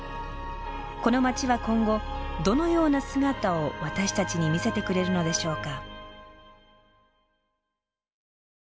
この街は今後どのような姿を私たちに見せてくれるのでしょうか？